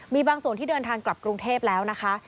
มีบางส่วนที่เดินทางกลับกรุงเทพแล้วนะคะ